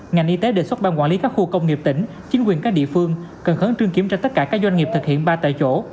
ngành y tế đề xuất ban quản lý các khu công nghiệp tỉnh chính quyền các địa phương cần khẩn trương kiểm tra tất cả các doanh nghiệp thực hiện ba tại chỗ